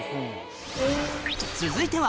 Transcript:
続いては